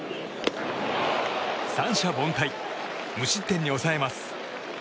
三者凡退、無失点に抑えます。